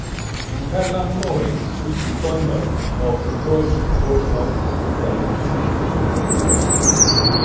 Herr Lannoye ist besonders auf den deutschen Vorschlag mit seiner Zielsetzung eingegangen.